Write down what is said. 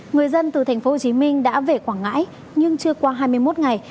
người dân từ thành phố hồ chí minh đã về quảng ngãi nhưng chưa qua hai mươi một ngày